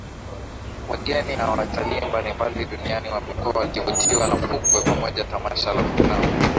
Wageni na watalii mbalimbali Duniani wamekuwa wakivutiwa na fukwe pamoja Tamasha la filamu